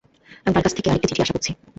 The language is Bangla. আমি তার কাছ থেকে আর একটি চিঠি আশা করছি।